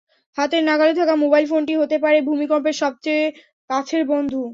হাতের নাগালে থাকা মোবাইল ফোনটিই হতে পারে ভূমিকম্পের সময় সবচেয়ে কাছের বন্ধু।